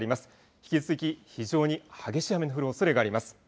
引き続き非常に激しい雨の降るおそれがあります。